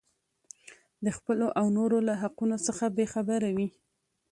د خپلو او نورو له حقونو څخه بې خبره وي.